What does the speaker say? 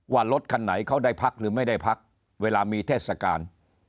ว่ารถคันไหนเขาได้พักหรือไม่ได้พักเวลามีเทศกาล